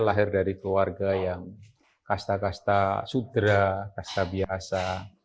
lahir dari keluarga yang kasta kasta sudra kasta biasa